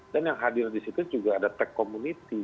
dan yang hadir di situ juga ada tech community